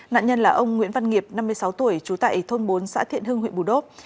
nạn nhân là ông nguyễn văn nghiệp năm mươi sáu tuổi trú tại thôn bốn xã thiện hưng huyện bù đốp